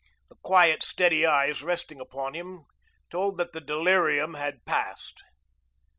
The quiet, steady eyes resting upon him told that the delirium had passed.